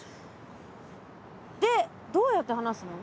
でどうやって離すの？